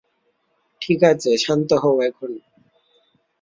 ঠিকাছে, শান্ত হও এখন।